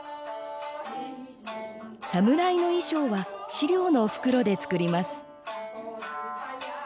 侍の衣装は飼料の袋で作ります。